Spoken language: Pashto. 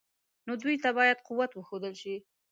نو دوی ته باید قوت وښودل شي.